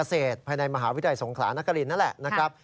กาเศษภายในมหาวิทยาศงขลานกริณนั่นแหละนะครับ